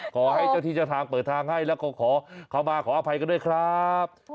ขอให้เจ้าที่เจ้าทางเปิดทางให้แล้วก็ขอเข้ามาขออภัยกันด้วยครับ